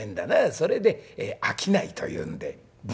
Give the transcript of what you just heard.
それで商いというんで」。